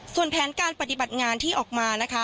ส่วนแผนการปฏิบัติงานที่ออกมานะคะ